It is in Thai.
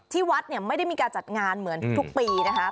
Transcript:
ที่วัดเนี่ยไม่ได้มีการจัดงานเหมือนทุกปีนะคะ